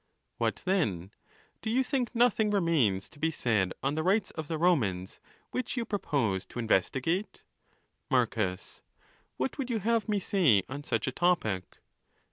—What then! do you think nothing remains to be said on the rights of the Romans, which you proposed to investigate ? Marcus.—What would you have me say on such a topic?